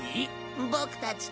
ボクたちと？